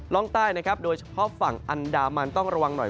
ร่องใต้นะครับโดยเฉพาะฝั่งอันดามันต้องระวังหน่อย